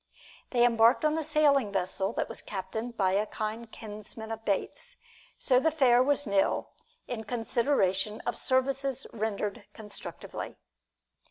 They embarked on a sailing vessel that was captained by a kind kinsman of Bates, so the fare was nil, in consideration of services rendered constructively.